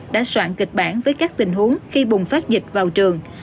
đã soạn kịch bản với các tình huống khi bùng phát dịch vào trường